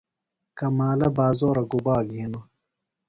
کمالہ بازورہ گُبا گِھینوۡ؟